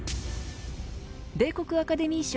米国アカデミー賞